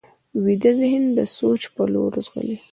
ویده ذهن د سوچ پر لور ځغلي